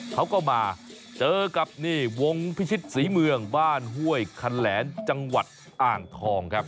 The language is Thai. เขาก็มาเจอกับนี่วงพิชิตศรีเมืองบ้านห้วยคันแหลนจังหวัดอ่างทองครับ